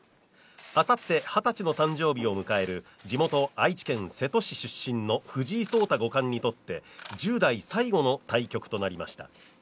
あさって二十歳の誕生日を迎える地元愛知県瀬戸市出身の藤井聡太五冠にとって１０代最後の対局となりました